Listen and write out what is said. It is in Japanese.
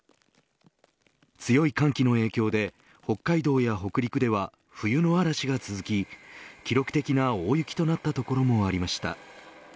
強い寒気の影響で北海道や北陸では冬の嵐が続き記録的な大雪となった所もありました。